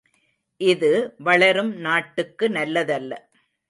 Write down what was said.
இது வளரும் நாட்டுக்கு நல்ல தல்ல.